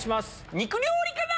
肉料理から！